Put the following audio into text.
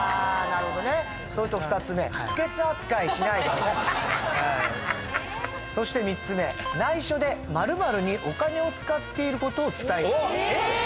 なるほどねそれと２つ目不潔扱いしないでほしいそして３つ目内緒で○○にお金を使っていることを伝えたいおっ